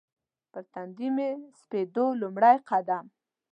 پر تندي مې سپېدو لومړی قدم